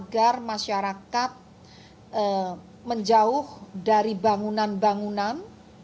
agar masyarakat menjauh dari bangunan bangunan